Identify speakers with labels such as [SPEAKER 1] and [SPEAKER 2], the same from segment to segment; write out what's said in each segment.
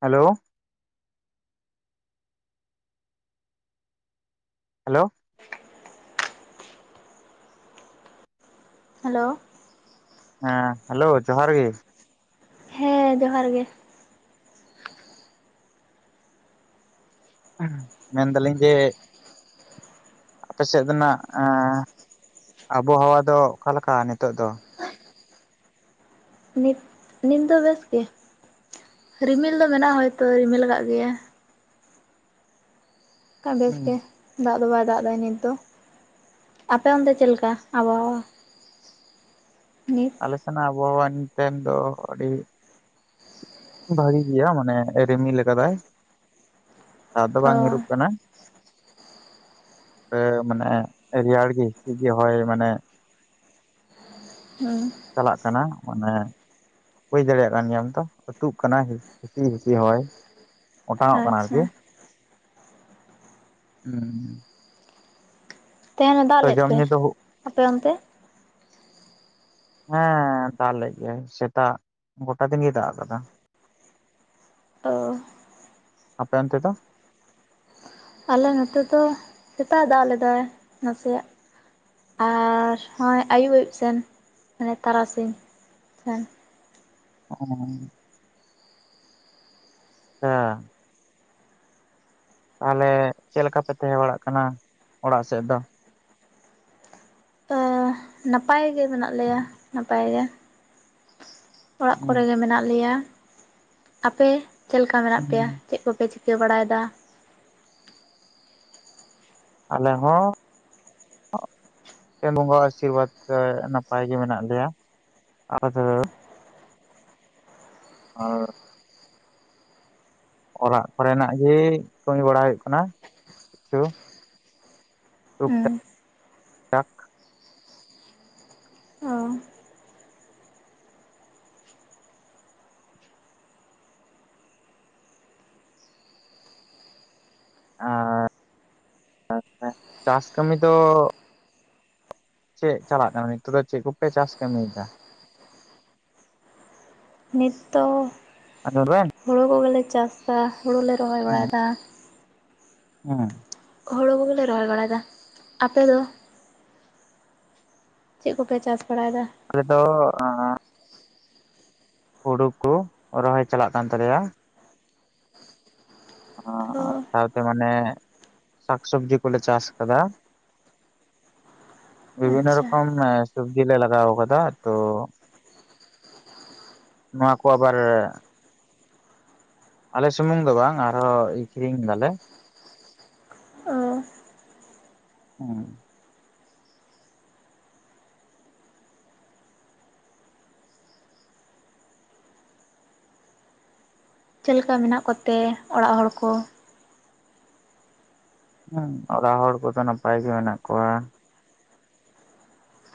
[SPEAKER 1] Hello hello
[SPEAKER 2] [inaudible] hello
[SPEAKER 1] ᱦᱮᱸ hello ᱡᱚᱦᱟᱨ ᱜᱮ
[SPEAKER 2] ᱦᱮᱸ ᱡᱚᱦᱟᱨ ᱜᱮ
[SPEAKER 1] ᱢᱮᱱᱫᱟᱞᱤᱧ ᱡᱮ ᱟᱯᱮ ᱥᱮᱫ ᱨᱮᱱᱟᱜ ᱟᱵᱚᱦᱟᱣᱟ ᱫᱚ ᱚᱠᱟᱞᱮᱠᱟ ᱱᱤᱛᱚᱜ ᱫᱚ
[SPEAKER 2] ᱱᱤᱛ ᱱᱤᱛ ᱫᱚ ᱵᱮᱥ ᱜᱮ ᱨᱤᱢᱤᱞ ᱫᱚ ᱢᱮᱱᱟᱜᱼᱟ ᱦᱚᱭᱛᱚ ᱨᱤᱢᱤᱞ ᱠᱟᱜ ᱜᱮᱭᱟ ᱠᱟᱜ ᱵᱮᱥ
[SPEAKER 1] ᱦᱩᱸ
[SPEAKER 2] ᱜᱮ ᱫᱟᱜ ᱫᱚ ᱵᱟᱭ ᱫᱟᱜ ᱫᱟ ᱱᱤᱛ ᱫᱚ᱾ ᱟᱯᱮ ᱚᱱᱛᱮ ᱪᱮᱜ ᱞᱮᱠᱟ ᱟᱵᱚᱦᱟᱣᱟ ᱱᱤᱛ
[SPEAKER 1] ᱟᱞᱥᱮᱱᱟᱜ ᱟᱵᱚᱦᱟᱣᱟ ᱛᱮᱦᱮᱱ ᱫᱚ ᱟᱹᱰᱤ ᱵᱷᱟᱜᱤ ᱜᱮᱭᱟ ᱢᱟᱱᱮ ᱨᱤᱢᱤᱞ ᱟᱠᱟᱫᱟᱭ ᱫᱟᱜ ᱫᱚ
[SPEAKER 2] ᱚ
[SPEAKER 1] ᱵᱟᱝ ᱧᱩᱨᱩᱜ ᱠᱟᱱᱟ ᱢᱟᱱᱮ ᱨᱮᱭᱟᱨ ᱜᱮ ᱦᱤᱥᱤᱫ ᱜᱮ ᱦᱚ ᱢᱟᱱᱮ
[SPEAKER 2] ᱦᱩᱸ
[SPEAKER 1] ᱪᱟᱞᱟᱜ ᱠᱟᱱᱟ ᱢᱟᱱᱮ ᱵᱩᱡᱷ ᱫᱟᱲᱮᱭᱟᱜ ᱠᱟᱱ ᱜᱮᱭᱟᱢ ᱛᱚ ᱟᱹᱛᱩᱜ ᱠᱟᱱᱟ ᱦᱤᱥᱤᱜ ᱦᱤᱥᱤᱜ ᱦᱚᱭ ᱚᱴᱟᱝᱚᱜ ᱠᱟᱱᱟ
[SPEAKER 2] ᱟᱪᱪᱷᱟ
[SPEAKER 1] ᱟᱨᱠᱤ
[SPEAKER 2] ᱛᱟᱦᱮᱱᱟ ᱫᱟᱜ
[SPEAKER 1] ᱛᱚ
[SPEAKER 2] ᱞᱮᱫ
[SPEAKER 1] ᱡᱚᱢ
[SPEAKER 2] ᱛᱮ
[SPEAKER 1] ᱧᱩ ᱫᱚ
[SPEAKER 2] ᱟᱯᱮ ᱚᱱᱛᱮ
[SPEAKER 1] [unintelligible] ᱦᱮᱸ ᱫᱟᱜ ᱞᱮᱫ ᱜᱮᱭᱟᱭ ᱥᱮᱛᱟᱜ ᱜᱚᱴᱟ ᱫᱤᱱ ᱜᱮᱭ ᱫᱟᱜ ᱟᱠᱟᱫᱟ
[SPEAKER 2] ᱚ
[SPEAKER 1] ᱟᱯᱮ ᱚᱱᱛᱮ ᱫᱚ
[SPEAKER 2] ᱟᱞᱮ ᱱᱚᱛᱮ ᱫᱚ ᱥᱮᱛᱟᱜ ᱫᱟᱜ ᱞᱮᱫᱟᱭ ᱱᱟᱥᱮᱭᱟᱜ ᱟᱨ ᱦᱚᱸᱜᱼᱚᱭ ᱟᱹᱭᱩᱵ ᱟᱹᱭᱩᱵ ᱥᱮᱱ ᱢᱟᱱᱮ ᱛᱟᱨᱟᱥᱤᱧ ᱥᱮᱱ
[SPEAKER 1] ᱚᱸ ᱦᱮᱸ ᱛᱟᱦᱚᱞᱮ ᱪᱮᱫ ᱞᱮᱠᱟᱯᱮ ᱛᱟᱦᱮᱸ ᱵᱟᱲᱟᱜ ᱠᱟᱱᱟ ᱚᱲᱟᱜ ᱥᱮᱫ ᱫᱚ
[SPEAKER 2] ᱱᱟᱯᱟᱭ ᱜᱮ ᱢᱮᱱᱟᱜ ᱞᱮᱭᱟ ᱱᱟᱯᱟᱭ ᱜᱮ ᱚᱲᱟᱜ
[SPEAKER 1] ᱦᱩᱸ
[SPEAKER 2] ᱠᱚᱨᱮᱜᱮ ᱢᱮᱱᱟᱜ ᱞᱮᱭᱟ ᱟᱯᱮ ᱪᱮᱫ ᱞᱮᱠᱟ ᱢᱮᱱᱟᱜ ᱯᱮᱭᱟ,
[SPEAKER 1] ᱦᱩᱸ
[SPEAKER 2] ᱪᱮᱫ ᱠᱚᱯᱮ ᱪᱤ ᱠᱟᱹ ᱵᱟᱲᱟᱭᱮᱫᱟ
[SPEAKER 1] ᱟᱞᱮ ᱦᱚᱸ ᱮ ᱵᱚᱸᱜᱟ ᱟᱥᱤᱨᱵᱟᱫᱽ ᱛᱮ ᱱᱟᱯᱟᱭ ᱜᱮ ᱢᱮᱱᱟᱜ ᱞᱮᱭᱟ [unintelligible] ᱟᱨ ᱚᱲᱟᱜ ᱠᱚ ᱨᱮᱱᱟᱜ ᱜᱮ ᱠᱟᱹᱢᱤ ᱵᱟᱲᱟ ᱦᱩᱭᱩᱜ ᱠᱟᱱᱟ ᱠᱤᱪᱷᱩ [unintelligible]
[SPEAKER 2] ᱚ
[SPEAKER 1] ᱟᱨ [unintelligible] ᱪᱟᱥ ᱠᱟᱹᱢᱤ ᱫᱚ ᱪᱮᱫ ᱪᱟᱞᱟᱜ ᱠᱟᱱᱟ ᱱᱤᱛᱚᱜ ᱫᱚ ᱪᱮᱫ ᱠᱚᱯᱮ ᱪᱟᱥ ᱠᱟᱹᱢᱤᱭᱮᱫᱟ
[SPEAKER 2] ᱱᱤᱛ ᱫᱚ
[SPEAKER 1] [unintelligible]
[SPEAKER 2] ᱦᱩᱲᱩ ᱠᱚᱜᱮᱞᱮ ᱪᱟᱥᱫᱟ ᱦᱩᱲᱩᱞᱮ ᱨᱚᱦᱚᱭ ᱵᱟᱲᱟᱭᱮᱫᱟ
[SPEAKER 1] ᱦᱚᱸ
[SPEAKER 2] ᱦᱩᱲᱩ ᱠᱚᱜᱮᱞᱮ ᱨᱚᱦᱚᱭ ᱵᱟᱲᱟᱭᱮᱫᱟ, ᱟᱯᱮ ᱫᱚ ᱪᱮᱫ ᱠᱚᱯᱮ ᱪᱟᱥ ᱵᱟᱲᱟᱭᱮᱫᱟ
[SPEAKER 1] ᱟᱞᱮ ᱫᱚ‌ ᱮᱸᱜ ᱦᱩᱲᱩ ᱠᱩ ᱨᱚᱦᱚᱭ ᱪᱟᱞᱟᱜ ᱠᱟᱱ ᱛᱟᱞᱮᱭᱟ
[SPEAKER 2] ᱚ
[SPEAKER 1] ᱦᱮᱸᱻ ᱥᱟᱶᱛᱮ ᱢᱟᱱᱮ ᱥᱟᱠ ᱥᱚᱵᱡᱤ ᱠᱚᱞᱮ ᱪᱟᱥ ᱟᱠᱟᱫᱟ ᱵᱤᱵᱷᱤᱱᱱᱚ
[SPEAKER 2] ᱟᱪᱪᱷᱟ
[SPEAKER 1] ᱨᱚᱠᱚᱢ ᱥᱚᱵᱡᱤ ᱞᱮ ᱞᱟᱜᱟᱣ ᱠᱟᱫᱟ ᱛᱚ ᱱᱚᱣᱟ ᱠᱚ ᱟᱵᱟᱨ ᱟᱞᱮ ᱥᱩᱢᱩᱝ ᱫᱚ ᱵᱟᱝ ᱟᱨᱦᱚᱸ ᱟᱠᱷᱨᱤᱧ ᱫᱟᱞᱮ
[SPEAKER 2] ᱚ
[SPEAKER 1] ᱦᱩᱸ
[SPEAKER 2] ᱪᱮᱫ ᱞᱮᱠᱟ ᱢᱮᱱᱟᱜ ᱠᱚᱛᱮ ᱚᱲᱟᱜ ᱦᱚᱲ ᱠᱚ
[SPEAKER 1] ᱦᱩᱸ, ᱚᱲᱟᱜ ᱦᱚᱲ ᱠᱚᱫᱚ ᱱᱟᱯᱟᱭ ᱜᱮ ᱢᱮᱱᱟᱜ ᱠᱚᱣᱟ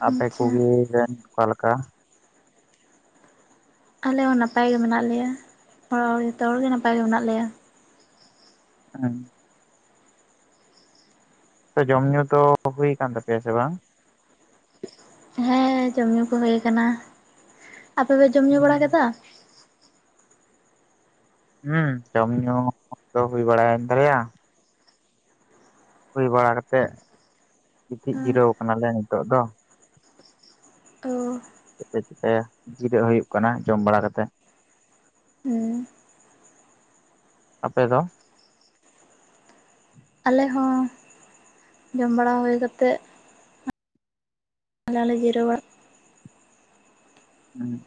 [SPEAKER 1] ᱟᱯᱮ
[SPEAKER 2] ᱟᱪᱪᱷᱟ
[SPEAKER 1] ᱠᱩᱜᱤ [unintelligible] ᱚᱠᱟᱞᱮᱠᱟ
[SPEAKER 2] ᱟᱞᱮ ᱦᱚᱸ ᱱᱟᱯᱟᱭ ᱜᱮ ᱢᱮᱱᱟᱜ ᱞᱮᱭᱟ ᱟᱨ ᱡᱚᱛᱚ ᱦᱚᱲ ᱜᱮ ᱱᱟᱯᱟᱭ ᱜᱮ ᱢᱮᱱᱟᱜ ᱞᱮᱭᱟ
[SPEAKER 1] ᱦᱮᱸ ᱥᱮ ᱡᱚᱢ ᱧᱩ ᱫᱚ ᱦᱩᱭ ᱠᱟᱱ ᱛᱟᱯᱮᱭᱟ ᱥᱮ ᱵᱟᱝ
[SPEAKER 2] ᱦᱮᱸ ᱡᱚᱢ ᱧᱩ ᱠᱚ ᱦᱩᱭ ᱟᱠᱟᱱᱟ, ᱟᱯᱮ ᱯᱮ ᱡᱚᱢ ᱧᱩ ᱵᱟᱲᱟ ᱠᱮᱫᱟ
[SPEAKER 1] ᱦᱩᱸ ᱡᱚᱢ ᱧᱩ ᱫᱚ ᱦᱩᱭ ᱵᱟᱲᱟᱭᱮᱱ ᱛᱟᱞᱮᱭᱟ ᱦᱩᱭ ᱵᱟᱲᱟ ᱠᱟᱛᱮᱫ ᱜᱤᱛᱤᱡ ᱡᱤᱨᱟᱹᱣ ᱠᱟᱱᱟᱞᱮ ᱱᱤᱛᱚᱜ ᱫᱚ
[SPEAKER 2] ᱚ
[SPEAKER 1] ᱪᱮᱫ ᱞᱮ ᱪᱤᱠᱟᱹᱭᱟ ᱡᱤᱨᱟᱹᱜ ᱦᱩᱭᱩᱜ ᱠᱟᱱᱟ ᱡᱚᱢ ᱵᱟᱲᱟ ᱠᱟᱛᱮᱫ
[SPEAKER 2] ᱦᱩᱸ
[SPEAKER 1] ᱟᱯᱮ ᱫᱚ
[SPEAKER 2] ᱟᱞᱮ ᱦᱚᱸ ᱡᱚᱢ ᱵᱟᱲᱟ ᱦᱩᱭ ᱠᱟᱛᱮᱜ ᱟᱞᱮ ᱦᱚᱸᱞᱮ ᱡᱤᱨᱟᱹᱣ ᱵᱟᱲᱟᱜ
[SPEAKER 1] ᱦᱩᱸ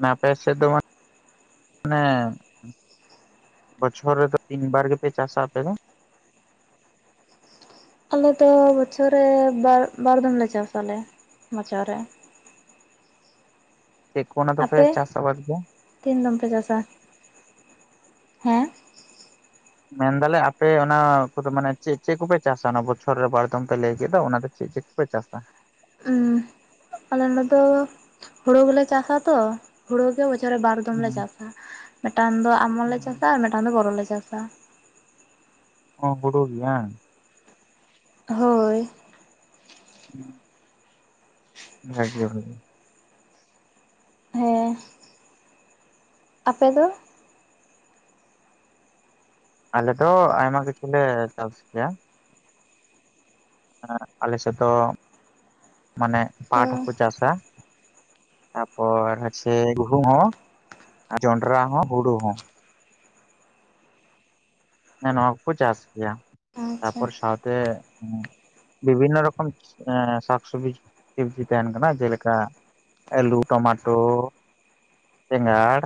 [SPEAKER 1] ᱢᱟᱱᱮ ᱟᱯᱮ ᱥᱮᱫ ᱫᱚ [inaudible] ᱢᱟᱱᱮ ᱵᱚᱪᱷᱚᱨ ᱨᱮᱫᱚ ᱛᱤᱱ ᱵᱟᱨ ᱜᱮᱯᱮ ᱪᱟᱥᱟ ᱟᱯᱮ ᱫᱚ
[SPEAKER 2] ᱟᱞᱮ ᱫᱚ ᱵᱚᱪᱷᱚᱨ ᱨᱮ ᱵᱟ ᱵᱟᱨ ᱫᱚᱢ ᱞᱮ ᱪᱟᱥ ᱟᱞᱮ ᱵᱚᱪᱷᱚᱨ ᱨᱮ
[SPEAKER 1] ᱪᱮᱫ ᱠᱚ ᱚᱱᱟ ᱫᱚ ᱯᱮ
[SPEAKER 2] ᱟᱯᱮ
[SPEAKER 1] ᱪᱟᱥ ᱟᱵᱟᱫᱽ ᱜᱮᱭᱟ
[SPEAKER 2] ᱛᱤᱱ ᱫᱚᱢ ᱯᱮ ᱪᱟᱥᱟ, ᱦᱮᱸ
[SPEAKER 1] ᱢᱮᱱᱫᱟᱞᱮ ᱟᱯᱮ ᱚᱱᱟ ᱠᱚᱫᱚ ᱢᱟᱱᱮ ᱪᱮᱫ ᱪᱮᱫ ᱠᱚᱯᱮ ᱪᱟᱥᱟ ᱚᱱᱟ ᱵᱚᱪᱷᱚᱨ ᱨᱮ ᱵᱟᱨ ᱫᱚᱢ ᱯᱮ ᱞᱟᱹᱭ ᱠᱮᱫ ᱫᱚ ᱚᱱᱟ ᱪᱮᱫ ᱪᱮᱫ ᱠᱚᱯᱮ ᱪᱟᱥᱟ
[SPEAKER 2] ᱩᱸ, ᱟᱞᱮ ᱢᱟᱛᱚ ᱦᱩᱲᱩ ᱜᱮᱞᱮ ᱪᱟᱥᱟ ᱛᱚ ᱦᱩᱲᱩ ᱢᱤᱫ ᱵᱚᱪᱷᱚᱨ ᱨᱮ ᱵᱟᱨ ᱫᱚᱚᱢ ᱞᱮ
[SPEAKER 1] ᱦᱩᱸ
[SPEAKER 2] ᱪᱟᱥᱟ ᱢᱤᱫᱴᱟᱝ ᱫᱚ ᱟᱢᱚᱱ ᱞᱮ ᱪᱟᱥᱟ ᱟᱨ ᱢᱤᱫᱴᱟᱝ ᱫᱚ ᱵᱚᱨᱚ ᱞᱮ ᱪᱟᱥᱟ
[SPEAKER 1] ᱦᱚᱸ ᱦᱩᱲᱩ ᱜᱮ ᱵᱟᱝ
[SPEAKER 2] ᱦᱳᱭ
[SPEAKER 1] ᱦᱩᱸ ᱵᱷᱟᱜᱽᱜᱚ ᱵᱷᱟᱜᱤ
[SPEAKER 2] ᱦᱮᱸ ᱟᱯᱮ ᱫᱚ
[SPEAKER 1] ᱟᱞᱮ ᱫᱚ ᱟᱭᱢᱟ ᱠᱤᱪᱷᱩᱞᱮ ᱪᱟᱥ ᱜᱮᱭᱟ ᱦᱮᱸ, ᱟᱞᱮᱥᱮᱫ ᱫᱚ ᱢᱟᱱᱮ
[SPEAKER 2] ᱚ
[SPEAKER 1] ᱯᱟᱴ ᱦᱚᱸᱠᱚ ᱪᱟᱥᱟ ᱛᱟᱯᱚᱨ ᱟᱪᱷᱮ ᱜᱩᱦᱩᱢ ᱦᱚᱸ, ᱡᱚᱸᱰᱨᱟ ᱦᱚᱸ, ᱦᱩᱲᱩ ᱦᱚᱸ ᱦᱮᱸ ᱱᱚᱣᱟ ᱠᱚᱠᱚ ᱪᱟᱥ ᱜᱮᱭᱟ
[SPEAKER 2] ᱟᱪᱪᱷᱟ
[SPEAKER 1] ᱛᱟᱯᱚᱨ ᱥᱟᱶᱛᱮ, ᱵᱤᱵᱷᱤᱱᱱᱚ ᱨᱚᱠᱚᱢ ᱥᱟᱠᱥᱚᱵᱽᱡᱤ ᱥᱚᱵᱽᱡᱤ ᱛᱟᱦᱮᱱ ᱠᱟᱱᱟ ᱡᱮᱞᱮᱠᱟ ᱟᱞᱩ, ᱴᱚᱢᱟᱴᱳ ᱵᱮᱸᱜᱟᱲ,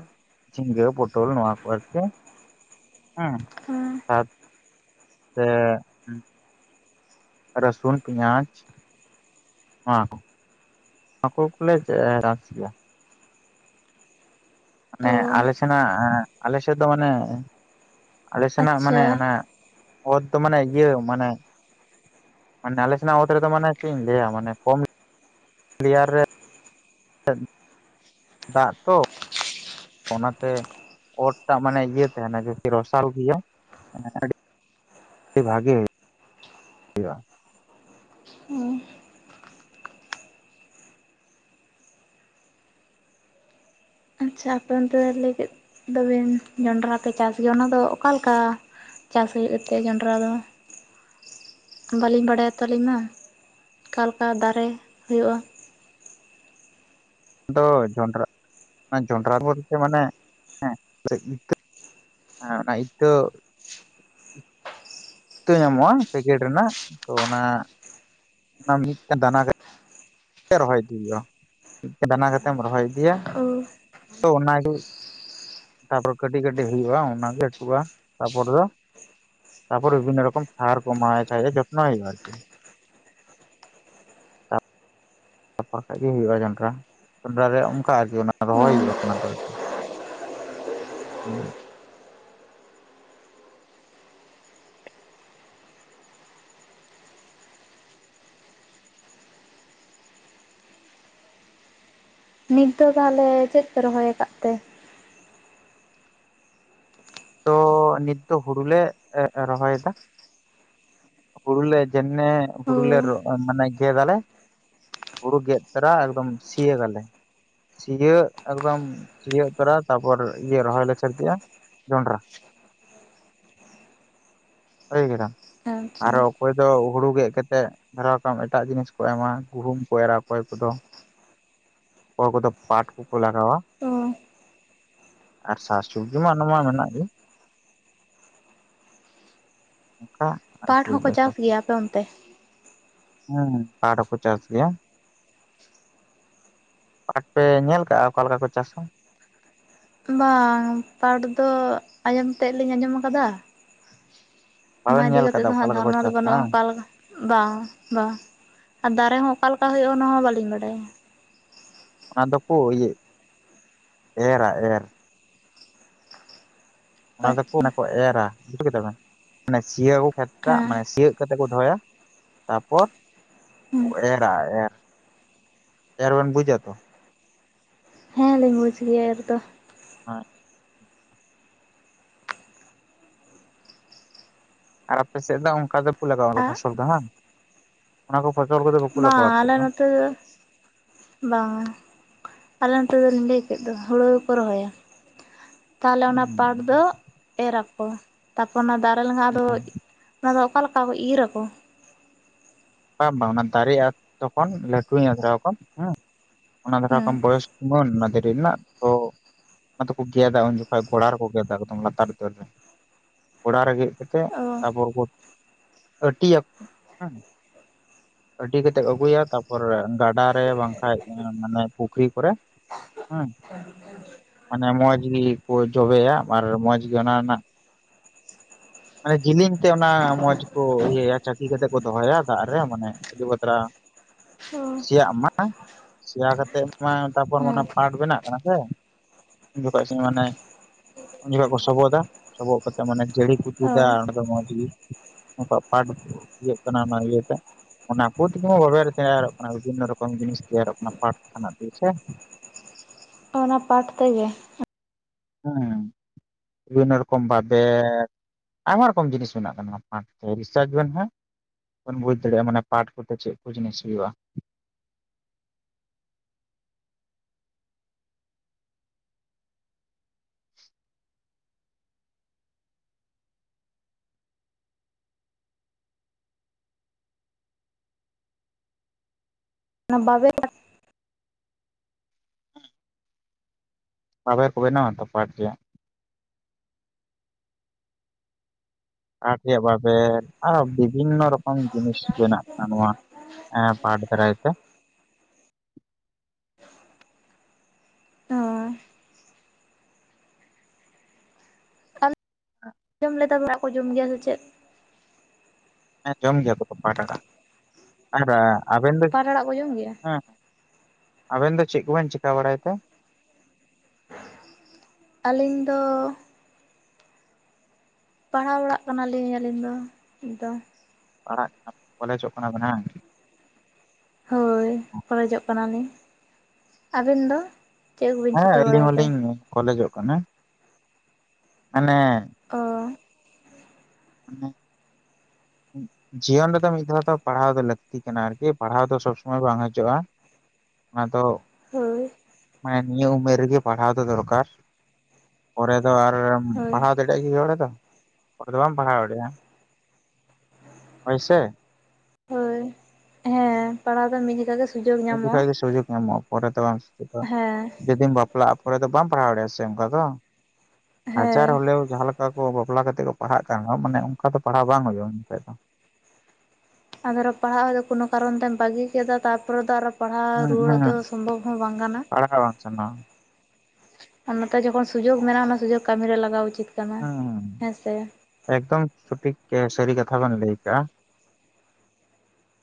[SPEAKER 1] ᱡᱷᱤᱸᱜᱟᱹ ᱯᱚᱴᱚᱞ, ᱱᱚᱣᱟ ᱠᱚ ᱟᱨᱠᱤ ᱦᱩᱸ
[SPEAKER 2] ᱦᱮᱸ
[SPEAKER 1] [unintelligible] ᱥᱮ ᱨᱟᱥᱩᱱ, ᱯᱤᱸᱭᱟᱡᱽ ᱱᱚᱣᱟ ᱦᱚᱸ ᱦᱟᱠᱩ ᱠᱚᱞᱮ ᱨᱟᱥᱮᱭᱟ ᱾ ᱢᱟᱱᱮ
[SPEAKER 2] ᱚ
[SPEAKER 1] ᱟᱞᱮ ᱥᱮᱱᱟᱜ ᱟᱞᱮ ᱥᱮᱫ ᱫᱚ ᱚᱱᱮ ᱟᱞᱮ ᱥᱮᱱᱟᱜ ᱢᱟᱱᱮ
[SPEAKER 2] ᱟᱪᱪᱷᱟ
[SPEAKER 1] ᱚᱱᱟ ᱚᱛ ᱫᱚ ᱢᱟᱱᱮ ᱤᱭᱟᱹ ᱢᱟᱱᱮ ᱢᱟᱱᱮ ᱟᱞᱮ ᱥᱮᱱᱟᱜ ᱚᱛ ᱨᱮᱫᱚ ᱢᱟᱱᱮ ᱪᱮᱫ ᱤᱧ ᱞᱟᱹᱭᱟ ᱢᱟᱱᱮ ᱠᱚᱢ, ᱞᱮᱭᱟᱨ ᱨᱮ ᱫᱟᱜ ᱛᱚ ᱚᱱᱟᱛᱮ ᱚᱛ ᱴᱟᱜ ᱢᱟᱱᱮ ᱤᱭᱟᱹ ᱛᱟᱦᱮᱱᱟ ᱡᱮᱠᱤ ᱨᱚᱥᱟᱞ ᱜᱮᱭᱟ ᱾ ᱟᱹᱰᱤ ᱵᱷᱟᱜᱮ ᱦᱳᱭᱳᱜᱼᱟ ᱾
[SPEAKER 2] ᱦᱮᱸ ᱟᱪᱪᱷᱟ ᱟᱯᱮ ᱚᱱᱛᱮ ᱞᱟᱹᱭ ᱠᱮᱫ ᱫᱚᱵᱤᱱ ᱡᱚᱱᱰᱨᱟ ᱯᱮ ᱪᱟᱥ ᱜᱮᱭᱟ ᱚᱱᱟᱫᱚ ᱚᱠᱟᱞᱮᱠᱟ? ᱪᱟᱥ ᱦᱩᱭᱩᱜ ᱜᱮᱛᱮ ᱡᱚᱱᱰᱨᱟ ᱫᱚ ᱵᱟᱹᱞᱤᱧ ᱵᱟᱲᱟᱭᱟ ᱛᱚ ᱟᱞᱤᱧ ᱢᱟ ᱚᱠᱟᱞᱮᱠᱟ ᱫᱟᱨᱮ ᱦᱩᱭᱩᱜ-ᱟ ᱾
[SPEAKER 1] ᱟᱫᱚ ᱡᱚᱱᱰᱨᱟ ᱡᱚᱱᱰᱨᱟ ᱵᱚᱞᱛᱮ ᱢᱟᱱᱮ ᱦᱮᱸ ᱤᱛᱟᱹ ᱦᱮ ᱚᱱᱟ ᱤᱛᱟᱹ ᱤᱛᱟᱹ ᱧᱟᱢᱚᱜᱼᱟ ᱯᱮᱠᱮᱴ ᱨᱮᱱᱟᱜ, ᱛᱚ ᱚᱱᱟ ᱚᱱᱟ ᱢᱤᱫᱴᱮᱱ ᱫᱟᱱᱟ ᱜᱮ ᱛᱮ ᱨᱚᱦᱚᱭ ᱤᱫᱤᱭ ᱦᱩᱭᱩᱜᱼᱟ, ᱢᱤᱫᱴᱮᱡ ᱫᱟᱱᱟ ᱠᱟᱛᱮᱢ ᱨᱚᱦᱚᱭ ᱤᱫᱤᱭᱟ
[SPEAKER 2] ᱳ
[SPEAKER 1] ᱛᱚ ᱚᱱᱟᱜᱮ ᱛᱟᱯᱚᱨ ᱠᱟᱹᱴᱤᱡ ᱠᱟᱹᱴᱤᱡ ᱦᱩᱭᱩᱜᱼᱟ ᱚᱱᱟᱜᱮ ᱞᱟᱹᱴᱩᱜᱼᱟ ᱛᱟᱯᱚᱨ ᱫᱚ ᱛᱟᱯᱚᱨ ᱵᱤᱵᱷᱤᱱᱱᱚ ᱨᱚᱠᱚᱢ ᱥᱟᱨ ᱠᱚ ᱮᱢᱟᱣ ᱟᱭ ᱠᱷᱟᱡ ᱜᱮ ᱡᱚᱛᱱᱚ ᱦᱩᱭᱩᱜᱼᱟ ᱟᱨᱠᱤ᱾ ᱛᱟᱯᱚᱨ ᱠᱷᱟᱡ ᱜᱮ ᱦᱩᱭᱩᱜᱼᱟ ᱡᱚᱱᱰᱨᱟ, ᱡᱚᱱᱰᱨᱟ ᱨᱮ ᱚᱱᱠᱟ ᱟᱨᱠᱤ ᱚᱱᱟ
[SPEAKER 2] ᱚ
[SPEAKER 1] ᱨᱚᱦᱚᱭ ᱦᱩᱭᱩᱜᱼᱟ ᱚᱱᱟ ᱫᱚ ᱟᱨᱠᱤ᱾ ᱦᱩᱸ᱾
[SPEAKER 2] ᱱᱤᱛ ᱫᱚ ᱛᱟᱦᱚᱞᱮ ᱪᱮᱫ ᱯᱮ ᱨᱚᱦᱚᱭ ᱟᱠᱟᱫ ᱛᱮ?
[SPEAKER 1] ᱛᱚ ᱱᱤᱛ ᱫᱚ ᱦᱩᱲᱩ ᱞᱮ ᱨᱚᱦᱚᱭ ᱮᱫᱟ᱾ ᱦᱩᱲᱩ ᱞᱮ ᱡᱮᱢᱱᱮ
[SPEAKER 2] ᱳ
[SPEAKER 1] ᱦᱩᱲᱩ ᱞᱮ ᱨᱚ ᱢᱟᱱᱮ ᱜᱮᱫ ᱟᱞᱮ᱾ ᱦᱩᱲᱩ ᱜᱮᱫ ᱛᱚᱨᱟ ᱮᱠᱫᱚᱢ ᱥᱤ ᱟᱫᱟᱞᱮ᱾ ᱥᱤᱭᱟᱹᱜ ᱮᱠᱫᱚᱢ ᱥᱤᱭᱟᱹᱜ ᱛᱚᱨᱟ ᱛᱟᱯᱚᱨ ᱤᱭᱟᱹ ᱨᱚᱦᱚᱭ ᱞᱮ ᱥᱟᱹᱨᱫᱤᱜᱼᱟ᱾ ᱡᱚᱱᱰᱨᱟ, [unintelligible] ᱠᱮᱫᱟᱢ
[SPEAKER 2] ᱟᱪᱪᱷᱟ
[SPEAKER 1] ᱟᱨᱚ ᱚᱠᱚᱭ ᱫᱚ ᱦᱩᱲᱩ ᱜᱮᱫ ᱠᱮᱛᱮᱫ᱾ ᱫᱷᱟᱨᱟᱣ ᱠᱟᱢ ᱮᱴᱟᱜ ᱡᱤᱱᱤᱥ ᱠᱚ ᱮᱢᱟ ᱜᱩᱦᱩᱢ ᱠᱚ ᱮᱨᱟ ᱚᱠᱚᱭ ᱠᱚᱫᱚ᱾ ᱚᱠᱚᱭ ᱠᱚᱫᱚ ᱯᱟᱴ ᱠᱚᱠᱚ ᱞᱟᱜᱟᱣᱼᱟ,
[SPEAKER 2] ᱚ
[SPEAKER 1] ᱟᱨ ᱥᱟᱠᱼᱥᱚᱵᱽᱡᱤ ᱢᱟ ᱟᱱᱟᱢᱟ ᱢᱮᱱᱟᱜ ᱜᱤ᱾ ᱚᱝᱠᱟ᱾
[SPEAKER 2] ᱯᱟᱴ ᱦᱚᱸᱠᱚ ᱪᱟᱥ ᱜᱮᱭᱟ ᱟᱯᱮ ᱚᱱᱛᱮ᱾
[SPEAKER 1] ᱦᱩᱸ ᱯᱟᱴ ᱦᱚᱠᱚ ᱪᱟᱥ ᱜᱮᱭᱟ᱾ ᱯᱟᱴ ᱯᱮ ᱧᱮᱞ ᱠᱟᱜᱼᱟ ᱚᱠᱟ ᱞᱮᱠᱟ ᱠᱚ ᱪᱟᱥᱟ?
[SPEAKER 2] ᱵᱟᱝ, ᱯᱟᱴ ᱫᱚ ᱟᱸᱡᱚᱢ ᱛᱮᱫ ᱞᱤᱧ ᱟᱸᱡᱚᱢ ᱟᱠᱟᱫᱟ᱾ ᱚᱱᱟ
[SPEAKER 1] ᱵᱟᱵᱮᱱ
[SPEAKER 2] ᱤᱫᱤ
[SPEAKER 1] ᱧᱮᱞ
[SPEAKER 2] ᱠᱟᱛᱮᱫ
[SPEAKER 1] ᱠᱟᱫᱟ
[SPEAKER 2] ᱫᱚ
[SPEAKER 1] ᱚᱠᱟ
[SPEAKER 2] ᱦᱟᱸᱜ
[SPEAKER 1] ᱞᱮᱠᱟ ᱠᱚ
[SPEAKER 2] ᱫᱷᱟᱨᱚᱱᱟ ᱫᱚ
[SPEAKER 1] ᱪᱟᱥᱟ
[SPEAKER 2] ᱵᱟᱹᱱᱩᱜᱼᱟ
[SPEAKER 1] ᱵᱟᱝ
[SPEAKER 2] ᱚᱱᱠᱟ ᱞᱮᱠᱟ᱾ ᱵᱟᱝ ᱵᱟ ᱟᱨ ᱫᱟᱨᱮ ᱦᱚᱸ ᱚᱠᱟᱞᱮᱠᱟ ᱦᱩᱭᱩᱜᱼᱟ ᱚᱱᱟ ᱦᱚᱸ ᱵᱟᱹᱞᱤᱧ ᱵᱟᱰᱟᱭᱟ᱾
[SPEAKER 1] ᱚᱱᱟ ᱫᱚᱠᱚ ᱤᱭᱟᱹ, ᱮᱨᱟ ᱮᱨ᱾ ᱚᱱᱟ ᱫᱚᱠᱚ
[SPEAKER 2] ᱟᱪᱪᱷᱟ
[SPEAKER 1] ᱚᱱᱟ ᱠᱚ ᱮᱨᱟ ᱵᱩᱡᱷ ᱠᱮᱫᱟ ᱵᱮᱱ ᱢᱟᱱᱮ ᱥᱤᱭᱟᱠᱚ ᱠᱷᱮᱛ ᱴᱟᱜ
[SPEAKER 2] ᱦᱮᱸ
[SPEAKER 1] ᱢᱟᱱᱮ ᱥᱤᱭᱟᱹᱜ᱾ ᱠᱟᱛᱮ ᱠᱚ ᱫᱚᱦᱚᱭᱟ, ᱛᱟᱯᱚᱨ ᱠᱚ
[SPEAKER 2] ᱦᱩᱸ
[SPEAKER 1] ᱮᱨᱟ ᱮᱨ᱾ ᱮᱨ ᱵᱮᱱ ᱵᱩᱡᱟ ᱛᱚ?
[SPEAKER 2] ᱦᱮᱸ ᱞᱤᱧ ᱵᱩᱡ ᱜᱮᱭᱟ ᱮᱨ ᱫᱚ᱾
[SPEAKER 1] [unintelligible] ᱟᱨ ᱟᱯᱮᱥᱮᱫ ᱫᱚ ᱚᱱᱠᱟ ᱫᱚᱠᱚ ᱞᱟᱜᱟᱣᱼᱟ
[SPEAKER 2] ᱟᱜ
[SPEAKER 1] ᱯᱷᱚᱥᱚᱞ ᱫᱚ ᱦᱟᱝ ᱚᱱᱟ ᱠᱚ ᱯᱷᱚᱥᱚᱞ ᱠᱚᱫᱚ ᱵᱟᱠᱚ ᱞᱟᱜᱟᱣᱼᱟ ᱟᱯᱮ ᱥᱮᱫ ᱫᱚ?
[SPEAKER 2] ᱦᱮᱸ᱾ ᱵᱟᱝᱟ, ᱟᱞᱮ ᱱᱚᱛᱮ ᱫᱚ ᱚᱱᱮᱧ ᱞᱟᱹᱭ ᱠᱮᱫ ᱫᱚ ᱦᱩᱲᱩ ᱜᱮᱠᱚ ᱨᱚᱦᱚᱭᱟ᱾ ᱛᱟᱦᱚᱞᱮ ᱚᱱᱟ
[SPEAKER 1] ᱦᱩᱸ
[SPEAKER 2] ᱯᱟᱴ ᱫᱚ ᱮᱨ ᱟᱠᱚ ᱛᱟᱨᱯᱚᱨ ᱚᱱᱟ ᱫᱟᱨᱮ ᱞᱮᱱᱠᱷᱟᱱ ᱟᱫᱚ ᱚᱱᱟ ᱫᱚ ᱚᱠᱟ ᱞᱮᱠᱟ ᱠᱚ ᱤᱨ ᱟᱠᱚ?
[SPEAKER 1] ᱵᱟᱝ ᱵᱟᱝ ᱚᱱᱟ ᱫᱟᱨᱮᱼᱟ ᱛᱚᱠᱷᱚᱱ ᱞᱟᱹᱴᱩᱧ ᱟᱫᱷᱨᱟᱣ ᱠᱚ ᱦᱮᱸ᱾ ᱚᱱᱟ ᱫᱷᱟᱨᱟ
[SPEAKER 2] ᱦᱮᱸ
[SPEAKER 1] ᱠᱷᱚᱢ ᱵᱚᱭᱚᱥ ᱛᱩᱢᱟᱹᱱ ᱚᱱᱟ ᱫᱟᱨᱤ ᱨᱮᱱᱟᱜ ᱛᱚ ᱚᱱᱟ ᱫᱚᱠᱚ ᱜᱮᱫᱼᱟ ᱩᱱ ᱡᱚᱠᱷᱚᱡ ᱜᱳᱲᱟ ᱨᱮᱠᱚ ᱜᱮᱫᱼᱟ ᱮᱠᱫᱚᱢ ᱞᱟᱛᱟᱨ ᱛᱟᱹᱨ ᱨᱮ᱾ ᱜᱳᱲᱟ ᱨᱮ ᱜᱮᱫ ᱠᱟᱛᱮᱜ
[SPEAKER 2] ᱚ
[SPEAKER 1] ᱛᱟᱨᱯᱚᱨ ᱠᱚ ᱟᱹᱴᱤᱭᱟᱠᱚ ᱦᱮᱸ᱾ ᱟᱹᱴᱤ ᱠᱟᱛᱮᱫ ᱟᱹᱜᱩᱭᱟ ᱛᱟᱨᱯᱚᱨ ᱜᱟᱰᱟ ᱨᱮ ᱵᱟᱝᱠᱟᱡ ᱢᱟᱱᱮ ᱯᱩᱠᱷᱨᱤ ᱠᱚᱨᱮ ᱦᱮᱸ᱾ ᱢᱟᱱᱮ ᱢᱚᱸᱡ ᱜᱤᱠᱚ ᱡᱚᱵᱮᱭᱟ ᱟᱵᱟᱨ ᱢᱚᱸᱡ ᱜᱮ ᱚᱱᱟ ᱨᱮᱱᱟᱜ ᱢᱟᱱᱮ ᱡᱤᱞᱤᱧ ᱛᱮ ᱚᱱᱟ ᱢᱚᱸᱡ ᱠᱚ ᱤᱭᱟᱹᱭᱟ ᱪᱟᱹᱠᱤ ᱠᱟᱛᱮ ᱠᱚ ᱫᱚᱦᱚᱭᱟ᱾ ᱥᱮᱛᱟᱜ ᱨᱮ ᱢᱟᱱᱮ ᱟᱰᱤ ᱵᱷᱟᱛᱨᱟ᱾
[SPEAKER 2] ᱚ
[SPEAKER 1] ᱥᱤᱭᱟᱜ ᱢᱟ, ᱥᱤᱭᱟ ᱠᱟᱛᱮᱜ ᱢᱟ ᱛᱟᱯᱚᱨ ᱚᱱᱟ
[SPEAKER 2] ᱦᱮᱸ
[SPEAKER 1] ᱯᱟᱴ ᱵᱮᱱᱟᱜ ᱠᱟᱱᱟ ᱥᱮ᱾ ᱩᱱ ᱡᱚᱠᱷᱚᱡ ᱤᱥᱤᱱ ᱢᱟᱱᱮ ᱩᱱ ᱡᱚᱠᱷᱚᱡ ᱠᱚ ᱥᱚᱵᱚᱫᱟ ᱥᱚᱵᱚᱜ ᱠᱟᱛᱮ ᱢᱟᱱᱮ ᱡᱟᱹᱲᱤ ᱠᱚ
[SPEAKER 2] ᱚ
[SPEAKER 1] ᱛᱩᱫᱟ ᱚᱸᱰᱮ ᱫᱚ ᱢᱚᱸᱡ ᱜᱤ᱾ ᱩᱱᱠᱩᱣᱟᱜ ᱯᱟᱴ ᱠᱚ ᱤᱭᱟᱹᱜ ᱠᱟᱱᱟ ᱚᱱᱟ ᱤᱭᱟᱹ ᱚᱱᱟ ᱠᱩ ᱛᱤᱜᱤ ᱢᱟ ᱵᱟᱵᱮᱨ ᱛᱮᱭᱟᱨᱚᱜ ᱠᱟᱱᱟ ᱵᱤᱵᱷᱤᱱᱱᱚ ᱨᱚᱠᱚᱢ ᱡᱤᱱᱤᱥ ᱛᱮᱭᱟᱨᱚᱜ ᱠᱟᱱᱟ ᱯᱟᱴ [unintelligible]
[SPEAKER 2] ᱚᱱᱟ ᱯᱟᱴ ᱛᱮᱜᱮ
[SPEAKER 1] ᱦᱮᱸ ᱵᱤᱵᱷᱤᱱᱱᱚ ᱨᱚᱠᱚᱢ ᱵᱟᱵᱮᱨ ᱟᱭᱢᱟ ᱨᱚᱠᱚᱢ ᱡᱤᱱᱤᱥ ᱢᱮᱱᱟᱜ ᱠᱟᱱᱟ ᱯᱟᱴ ᱛᱮ ᱨᱤᱥᱟᱨᱡᱽ ᱵᱮᱱ ᱦᱟᱸᱜ ᱵᱮᱱ ᱵᱩᱡᱽ ᱫᱟᱲᱮᱭᱟᱜ-ᱟ ᱢᱟᱱᱮ ᱯᱟᱴ ᱠᱚᱛᱮ ᱪᱮᱫ ᱠᱚ ᱡᱤᱱᱤᱥ ᱦᱩᱭᱩᱜ-ᱟ
[SPEAKER 2] ᱚᱱᱟ ᱵᱟᱵᱮᱨ ᱯᱟᱴ
[SPEAKER 1] ᱵᱟᱵᱮᱨ ᱠᱚ ᱵᱮᱱᱟᱣᱟ ᱛᱚ ᱯᱟᱴ ᱨᱮᱭᱟᱜ ᱠᱟᱴ ᱨᱮᱭᱟᱜ ᱵᱟᱵᱮᱨ ᱟᱨᱚ ᱵᱤᱵᱷᱤᱱᱱᱚ ᱨᱚᱠᱚᱢ ᱡᱤᱱᱤᱥ ᱵᱮᱱᱟᱜ ᱠᱟᱱᱟ ᱱᱚᱣᱟ ᱮᱸ ᱯᱟᱴ ᱫᱟᱨᱟᱭ ᱛᱮ [unintelligible]
[SPEAKER 2] ᱪᱮᱫ ᱮᱢ ᱞᱟᱹᱭ ᱫᱟ ᱠᱚ ᱡᱚᱢ ᱜᱮᱭᱟ ᱥᱮ ᱪᱮᱫ
[SPEAKER 1] ᱦᱮᱸ ᱡᱚᱢ ᱜᱮᱭᱟ ᱠᱚ ᱛᱚ ᱯᱟᱴ ᱟᱲᱟᱜ ᱟᱨ ᱟᱵᱮᱱ ᱫᱚ
[SPEAKER 2] ᱯᱟᱴ ᱟᱲᱟᱜ ᱠᱚ ᱡᱚᱢ ᱜᱮᱭᱟ
[SPEAKER 1] ᱦᱮᱸ ᱟᱵᱮᱱ ᱫᱚ ᱪᱮᱫ ᱠᱚᱵᱮᱱ ᱪᱮᱠᱟ ᱵᱟᱲᱟᱭ ᱛᱮ?
[SPEAKER 2] ᱟᱹᱞᱤᱧ ᱫᱚ ᱯᱟᱲᱦᱟᱣ ᱵᱟᱲᱟᱜ ᱠᱟᱱᱟ ᱞᱤᱧ ᱟᱹᱞᱤᱧ ᱫᱚ ᱱᱤᱛ ᱫᱚ
[SPEAKER 1] ᱯᱟᱲᱦᱟᱜ ᱠᱟᱱᱟᱢ ᱠᱚᱞᱮᱡᱚᱜ ᱠᱟᱱᱟ ᱵᱮᱱ ᱦᱟᱝ
[SPEAKER 2] ᱦᱳᱭ ᱠᱚᱞᱮᱡᱚᱜ ᱠᱟᱱᱟ ᱞᱤᱧ ᱟᱹᱵᱮᱱ ᱫᱚ ᱪᱮᱫ ᱠᱚᱵᱤᱱ
[SPEAKER 1] ᱦᱮᱸ
[SPEAKER 2] ᱪᱤᱠᱟᱹ
[SPEAKER 1] ᱟᱹᱞᱤᱧ
[SPEAKER 2] ᱵᱟᱲᱟᱭ
[SPEAKER 1] ᱦᱚᱸ
[SPEAKER 2] ᱛᱮ?
[SPEAKER 1] ᱞᱤᱧ ᱠᱚᱞᱮᱡᱚᱜ ᱠᱟᱱᱟ ᱢᱟᱱᱮ
[SPEAKER 2] ᱚ
[SPEAKER 1] [unintelligible] ᱡᱤᱭᱚᱱ ᱨᱮᱫᱚ ᱢᱤᱫ ᱫᱷᱟᱣ ᱫᱚ ᱯᱟᱲᱦᱟᱣ ᱫᱚ ᱞᱟᱹᱠᱛᱤ ᱠᱟᱱᱟ ᱟᱨᱠᱤ ᱯᱟᱲᱦᱟᱣ ᱫᱚ ᱥᱚᱵᱽ ᱥᱚᱢᱚᱭ ᱵᱟᱝ ᱦᱤᱡᱩᱜ-ᱟ᱾ ᱚᱱᱟ ᱫᱚ
[SPEAKER 2] ᱦᱳᱭ
[SPEAKER 1] ᱦᱮᱸ ᱱᱤᱭᱟᱹ ᱩᱢᱮᱨ ᱨᱮᱜᱮ ᱯᱟᱲᱦᱟᱣ ᱫᱚ ᱫᱚᱨᱠᱟᱨ ᱯᱚᱨᱮ ᱫᱚ ᱟᱨ
[SPEAKER 2] ᱦᱳᱭ
[SPEAKER 1] ᱯᱟᱲᱦᱟᱣ ᱫᱟᱲᱮᱜ ᱟᱜᱮ [unintelligible] ᱦᱚᱲ ᱫᱚ ᱵᱟᱢ ᱯᱟᱲᱦᱟᱣ ᱫᱟᱲᱮᱭᱟᱜ-ᱟ ᱦᱳᱭ ᱥᱮ
[SPEAKER 2] ᱦᱳᱭ ᱦᱮᱸ ᱯᱟᱲᱦᱟᱣ ᱫᱚ ᱢᱤᱫ ᱡᱷᱤᱠᱟ ᱜᱮ
[SPEAKER 1] ᱢᱤᱫ ᱡᱷᱤᱠᱟ ᱜᱮ ᱥᱩᱡᱳᱠ ᱧᱟᱢᱚᱜ-ᱟ ᱯᱚᱨᱮ ᱛᱮ ᱵᱟᱢ ᱥᱩᱡᱳᱠᱟ
[SPEAKER 2] ᱦᱮᱸ
[SPEAKER 1] ᱡᱩᱫᱤᱢ ᱵᱟᱯ ᱵᱟᱯᱞᱟᱜ-ᱟ ᱯᱚᱨᱮ ᱫᱚ ᱵᱟᱢ ᱯᱟᱲᱦᱟᱣ ᱫᱟᱲᱮᱭᱟᱜ-ᱟ ᱥᱮ ᱚᱱᱠᱟ ᱫᱚ ᱦᱟᱡᱟᱨ
[SPEAKER 2] ᱦᱮᱸ
[SPEAKER 1] ᱦᱚᱞᱮᱣ ᱡᱟᱦᱟᱸ ᱞᱮᱠᱟ ᱚᱱᱠᱟ ᱠᱚ ᱵᱟᱯᱞᱟ ᱠᱟᱛᱮ ᱠᱚ ᱯᱟᱲᱦᱟᱜ ᱠᱟᱱ ᱢᱟᱱᱮ ᱚᱱᱠᱟ ᱫᱚ ᱯᱟᱲᱦᱟᱣ ᱵᱟᱝ ᱦᱩᱭᱩᱜ-ᱟ ᱤᱱᱠᱷᱟᱹᱡ ᱫᱚ
[SPEAKER 2] ᱟᱫᱚᱨᱚ ᱯᱟᱲᱦᱟᱜ ᱫᱚ ᱠᱚᱱᱚ ᱠᱟᱨᱚᱱ ᱛᱮᱢ ᱵᱟᱹᱜᱤ ᱠᱮᱫᱟ ᱛᱟᱨᱯᱚᱨᱮ ᱫᱚ ᱟᱨᱚ ᱯᱟᱲᱦᱟᱣ
[SPEAKER 1] ᱦᱩᱸ
[SPEAKER 2] ᱨᱩᱣᱟᱹᱲᱚᱜ ᱫᱚ ᱥᱚᱢᱵᱷᱚᱵ ᱦᱚᱸ ᱵᱟᱝ ᱠᱟᱱᱟ ᱾
[SPEAKER 1] ᱪᱟᱸᱱᱟ ᱾
[SPEAKER 2] ᱟᱨ ᱱᱚᱛᱮ ᱡᱚᱠᱷᱚᱱ ᱥᱩᱡᱳᱜᱽ ᱢᱮᱱᱟᱜ-ᱟ ᱚᱱᱟ ᱥᱩᱡᱳᱜᱽ ᱠᱟᱹᱢᱤ ᱨᱮ ᱞᱟᱜᱟᱣ ᱩᱪᱤᱛ ᱾
[SPEAKER 1] ᱦᱮᱸ ᱮᱠᱫᱚᱢ ᱥᱚᱴᱷᱤᱠ ᱥᱟᱹᱨᱤ ᱠᱟᱛᱷᱟ ᱵᱮᱱ ᱞᱟᱹᱭ ᱠᱟᱜ-ᱟ ᱾